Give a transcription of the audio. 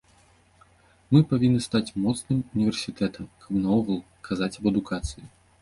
Мы павінны стаць моцным універсітэтам, каб наогул казаць аб адукацыі.